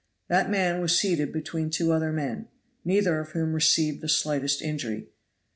That man was seated between two other men, neither of whom received the slightest injury.